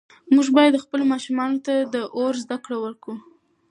موږ باید خپلو ماشومانو ته دا ور زده کړو.